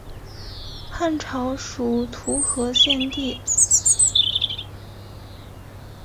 汉朝属徒河县地。